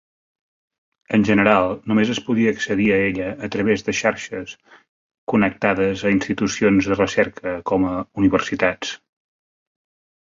En general, només es podia accedir a ella a través de xarxes connectades a institucions de recerca com a universitats.